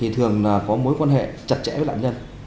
thường có mối quan hệ chặt chẽ với nạn nhân